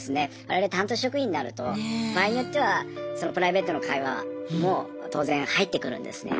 我々担当職員になると場合によってはプライベートの会話も当然入ってくるんですね。